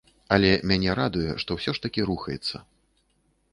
Але мяне радуе, што ўсё ж такі рухаецца.